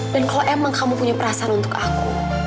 kalau emang kamu punya perasaan untuk aku